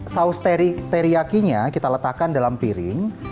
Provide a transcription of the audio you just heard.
saus teriyakinya kita letakkan dalam piring